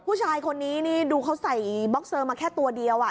ผู้ชายคนนี้นี่ดูเขาใส่บ็อกเซอร์มาแค่ตัวเดียว